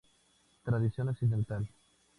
Traición occidental